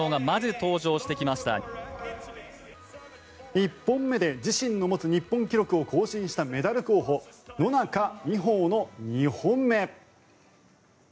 １本目で自身の持つ日本記録を更新したメダル候補、野中生萌の２本目。